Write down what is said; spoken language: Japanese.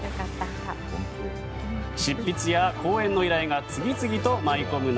執筆や講演の依頼が次々と舞い込む中